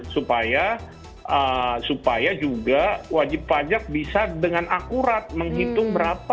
supaya juga wajib pajak bisa dengan akurat menghitung berapa